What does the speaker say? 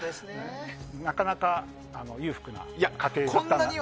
なかなか裕福な家庭だったのかなと。